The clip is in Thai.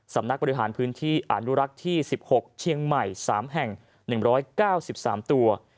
สำนักบริหารพื้นที่อนุรักษ์ที่๑๖เชียงใหม่๓แห่ง๑๙๓ตัว